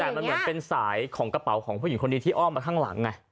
แต่มันเหมือนเป็นสายของกระเป๋าของผู้หญิงคนนี้ที่อ้อมมาข้างหลังไง